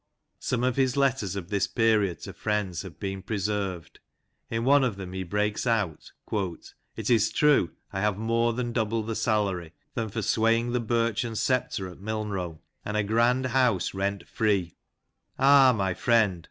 Some of his letters of this period to friends have been preserved ; in one of them he breaks out ;" It is true I have more than double the salary" (than '' for swaying the birchen sceptre at Miln row,") "and a grand house rent free : ah, my friend